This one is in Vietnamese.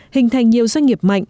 hình thành nhiều doanh nghiệp mạnh